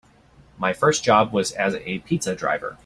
My first job was as a pizza driver.